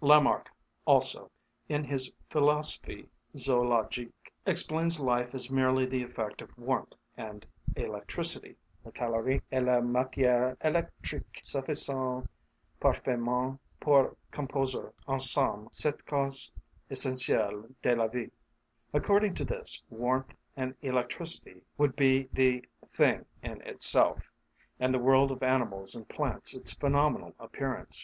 Lamarck also, in his "Philosophie Zoologique," explains life as merely the effect of warmth and electricity: le calorique et la matière électrique suffisent parfaitement pour composer ensemble cette cause essentielle de la vie (p. 16). According to this, warmth and electricity would be the "thing in itself," and the world of animals and plants its phenomenal appearance.